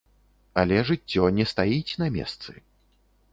Але жыццё не стаіць на месцы.